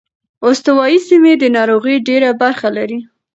استوايي سیمې د ناروغۍ ډېره برخه لري.